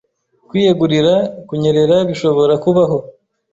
Kwiyegurira kunyerera bishobora kubaho